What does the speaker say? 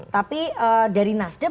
tapi dari nasdem